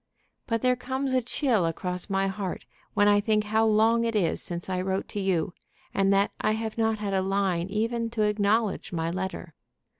But there comes a chill across my heart when I think how long it is since I wrote to you, and that I have not had a line even to acknowledge my letter.